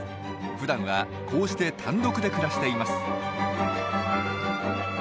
ふだんはこうして単独で暮らしています。